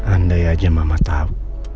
andai aja mama tau